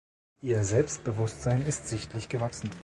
Ihr Selbstbewusstsein ist sichtlich gewachsen.